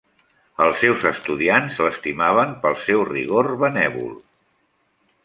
Els seus estudiants l'estimaven pel seu rigor benèvol.